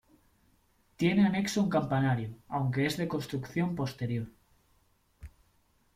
Tiene anexo un campanario, aunque es de construcción posterior.